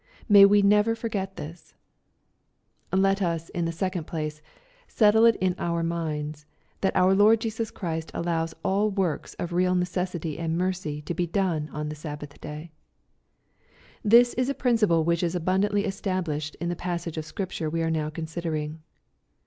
May we never forget this I Let us, in the second place, settle it in our minds, that (mr Lord Jesus Christ allows aU works of real necessity and mercy to be done on the Sabbath day. This is a principle which is abundantly established in the passage of Scripture we are now considering.